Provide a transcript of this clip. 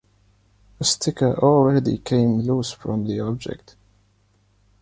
The sticker already came loose from the object.